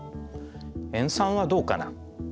塩酸はどうかな？